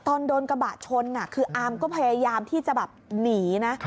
ตอนโดนกระบะชนคืออามก็พยายามที่จะแบบหนีนะ